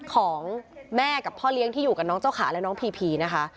ของแม่กับพ่อเลี้ยงที่อยู่กับน้องเจ้าขาและน้องพีพีนะคะ